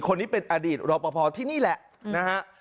คนนี้เป็นอดีตรอปภที่นี่แหละนะฮะ